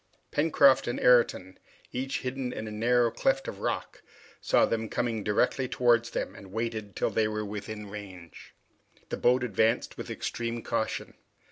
Pencroft and Ayrton, each hidden in a narrow cleft of the rock, saw them coming directly towards them, and waited till they were within range. The boat advanced with extreme caution.